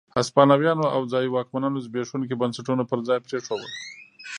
هسپانويانو او ځايي واکمنانو زبېښونکي بنسټونه پر ځای پرېښودل.